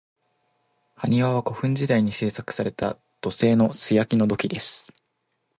埴輪は、古墳時代に製作された土製の素焼きの土器です。